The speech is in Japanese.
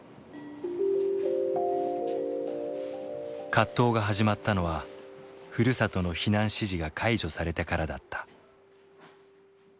葛藤が始まったのはふるさとの避難指示が解除されてからだった。